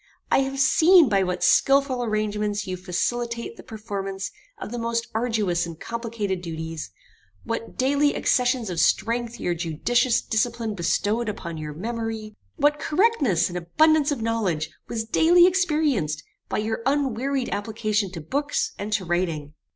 I have seen by what skilful arrangements you facilitate the performance of the most arduous and complicated duties; what daily accessions of strength your judicious discipline bestowed upon your memory; what correctness and abundance of knowledge was daily experienced by your unwearied application to books, and to writing.